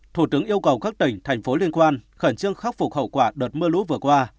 thủ tướng yêu cầu các tỉnh thành phố liên quan khẩn trương khắc phục hậu quả đợt mưa lũ vừa qua